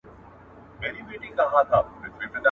• چونه انا راولئ، چي سر ئې په کټو کي ور پرې کي.